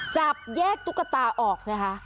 จับแยกตุ๊กตาออกนะคะ